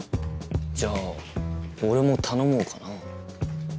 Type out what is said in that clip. じゃあ俺も頼もうかな。